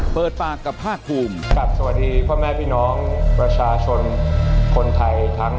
เปิดปากกับภาคภูมิ